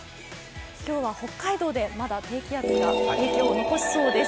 今日は北海道でまだ低気圧が影響を残しそうです。